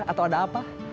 atau ada apa